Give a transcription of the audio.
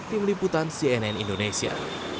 tim liputan cnn indonesia